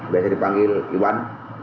biasa dipanggil iwan